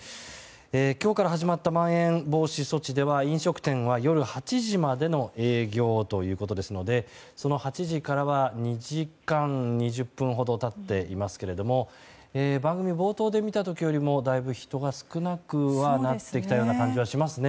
今日から始まったまん延防止措置では飲食店は夜８時までの営業ということですのでその８時からは２時間２０分ほど経っていますが番組冒頭で見た時よりもだいぶ、人が少なくなってきたような感じがしますね。